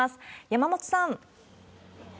山本さん。